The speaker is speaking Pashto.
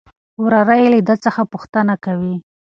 وراره يې له ده څخه پوښتنه کوي.